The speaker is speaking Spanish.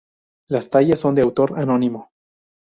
Las tallas son de autor anónimo.